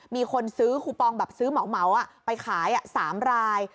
มีคนซื้อคูปองแบบซื้อเหมาไปขาย๓ราย